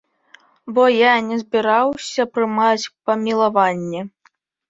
Бо я не збіраўся прымаць памілаванне.